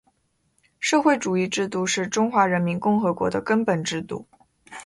社会主义制度是中华人民共和国的根本制度